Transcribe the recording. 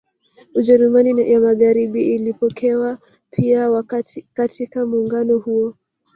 Ujerumani ya Magaharibi ilipokewa pia katika muungano huo